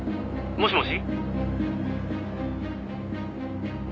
「もしもし？」